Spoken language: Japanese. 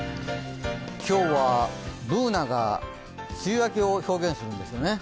今日はＢｏｏｎａが梅雨明けを表現するんですよね。